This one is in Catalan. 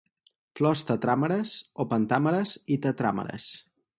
Flors tetràmeres o pentàmeres i tetràmeres.